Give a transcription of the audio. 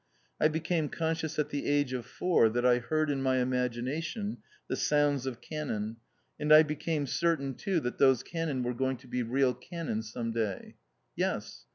I became conscious at the age of four that I heard in my imagination the sounds of cannon, and I became certain too that those cannon were going to be real cannon some day. Yes!